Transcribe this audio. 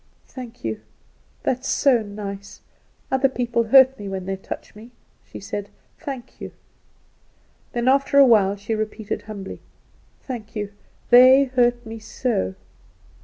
"Thank you! that is so nice. Other people hurt me when they touch me," she said. "Thank you!" Then after a little while she repeated humbly, "Thank you; they hurt me so."